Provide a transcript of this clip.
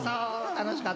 楽しかった。